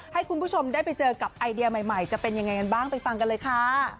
ให้คุณผู้ชมได้ไปเจอกับไอเดียใหม่จะเป็นยังไงกันบ้างไปฟังกันเลยค่ะ